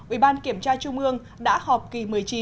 ubkt trung ương đã họp kỳ một mươi chín